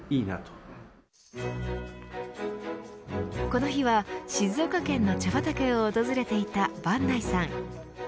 この日は静岡県の茶畑を訪れていた坂内さん。